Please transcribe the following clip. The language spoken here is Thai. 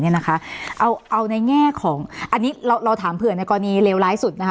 เอาในแง่ของอันนี้เราถามเผื่อในกรณีเลวร้ายสุดนะคะ